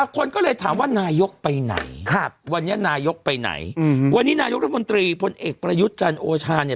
คนก็เลยถามว่านายกไปไหนวันนี้นายกไปไหนวันนี้นายกรัฐมนตรีพลเอกประยุทธ์จันทร์โอชาเนี่ย